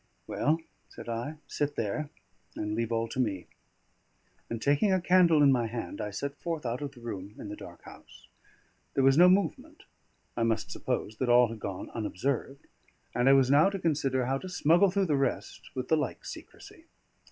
"Well," said I, "sit there, and leave all to me." And taking a candle in my hand, I set forth out of the room in the dark house. There was no movement; I must suppose that all had gone unobserved; and I was now to consider how to smuggle through the rest with the like secrecy.